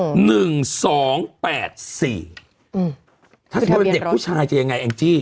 อืมหนึ่งสองแปดสี่อืมถ้าเป็นเด็กผู้ชายจะยังไงแองจี้